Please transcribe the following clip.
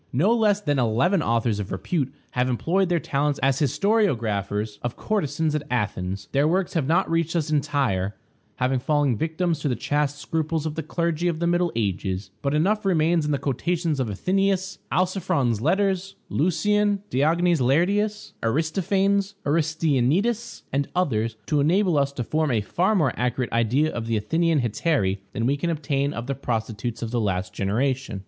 No less than eleven authors of repute have employed their talents as historiographers of courtesans at Athens. Their works have not reached us entire, having fallen victims to the chaste scruples of the clergy of the Middle Ages; but enough remains in the quotations of Athenæus, Alciphron's Letters, Lucian, Diogenes Laertius, Aristophanes, Aristænetus, and others, to enable us to form a far more accurate idea of the Athenian hetairæ than we can obtain of the prostitutes of the last generation.